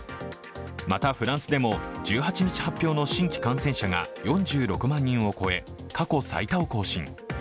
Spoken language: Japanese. また、フランスでも１８日発表の新規感染者が４６万人を超え、過去最多を更新。